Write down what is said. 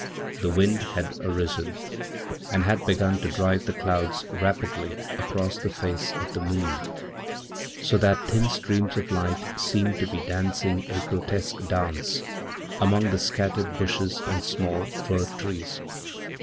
The wind had arisen, and had begun to drive the cloudsrapidly across the face of the moon, so that thin streams of lightseemed to be dancing a grotesque dance among the scattered bushes andsmall fir trees.